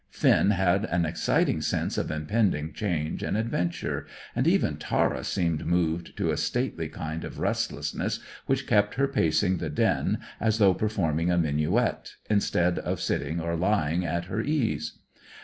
Finn had an exciting sense of impending change and adventure, and even Tara seemed moved to a stately kind of restlessness which kept her pacing the den as though performing a minuet, instead of sitting or lying at her ease.